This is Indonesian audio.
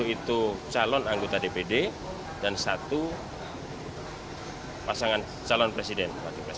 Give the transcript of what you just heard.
dua puluh itu calon anggota dpd dan satu pasangan calon presiden